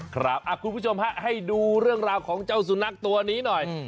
คุณผู้ชมฮะให้ดูเรื่องราวของเจ้าสุนัขตัวนี้หน่อย